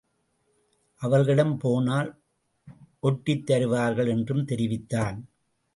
அவர்களிடம் போனால் ஒட்டித்தருவார்கள் என்றும் தெரிவித்தான்.